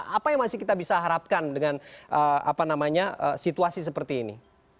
apa yang masih kita bisa harapkan dengan situasi seperti ini